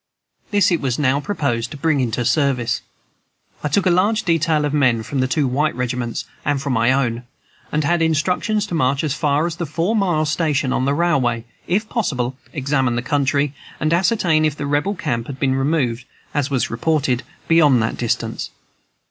This it was now proposed to bring into service. I took a large detail of men from the two white regiments and from my own, and had instructions to march as far as the four mile station on the railway, if possible, examine the country, and ascertain if the Rebel camp had been removed, as was reported, beyond that distance.